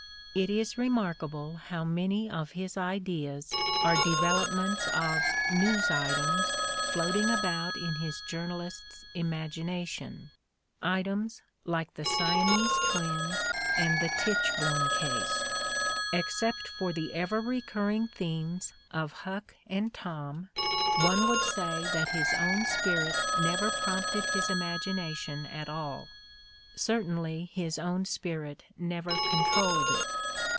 It is remarkable how many of his ideas are developments of "news items" floating about in his journalist's imagination, items like the Siamese Twins and the Tichborne case. Except for the ever recurring themes of Huck and Tom, one would say that his own spirit never prompted his imagination at all ; certainly his own spirit never controlled it.